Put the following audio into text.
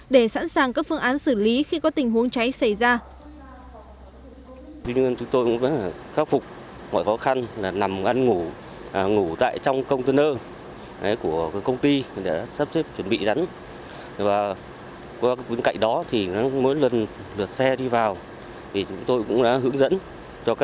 để sẵn sàng các phương án xử lý khi có tình huống cháy xảy ra